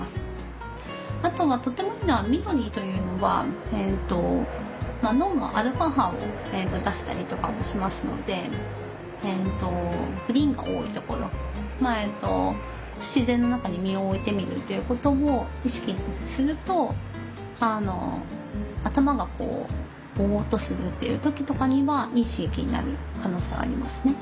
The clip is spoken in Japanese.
あとはとてもいいのは緑というのは脳のアルファ波を出したりとかもしますので自然の中に身を置いてみるっていうことを意識すると頭がこうぼっとするっていう時とかにはいい刺激になる可能性はありますね。